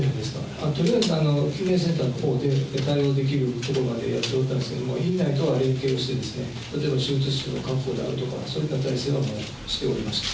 とりあえず救命センターのほうで対応できるところまでは、やっておったんですけど、院内とは連携をして、例えば手術室の確保であるとか、そういった態勢はしておりました。